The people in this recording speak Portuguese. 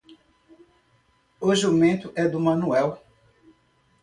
O jumento é do Manuel.